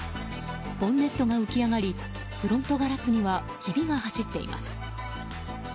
ボンネットが浮き上がりフロントガラスにはひびが走っています。